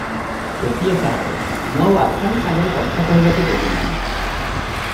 ଓକିଲ ସାହେବ, ମୁଁ ଆଉ ଆସାମୀ ସାଙ୍ଗରେ କଥା କହିବାକୁ ଦେବି ନାହିଁ ।